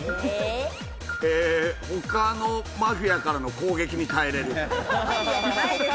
他のマフィアからの攻撃に耐えれる。